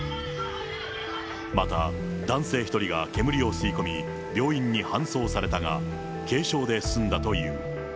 また男性１人が煙を吸い込み、病院に搬送されたが、軽傷で済んだという。